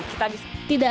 kita bisa berdiri